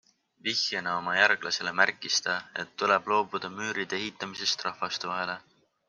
Vihjena oma järglasele märkis ta, et tuleb loobuda müüride ehitamisest rahvaste vahele.